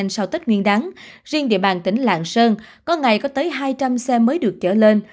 sau tết nguyên đáng riêng địa bàn tỉnh lạng sơn có ngày có tới hai trăm linh xe mới được chở lên